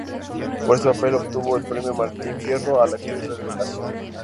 Por este papel obtuvo el premio Martín Fierro a la actriz revelación.